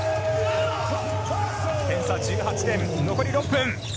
点差１８点、残り６分。